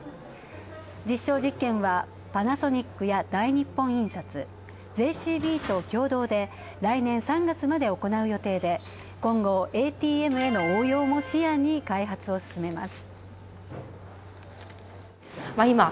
実証実験はパナソニックや大日本印刷、ＪＣＢと共同で来年３月まで行う予定で、今後ＡＴＭへの応用も視野に開発を進めます。